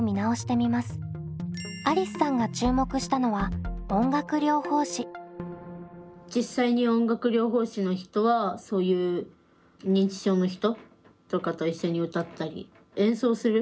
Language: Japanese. ありすさんが注目したのは実際に音楽療法士の人はそういう認知症の人とかと一緒に歌ったり演奏する。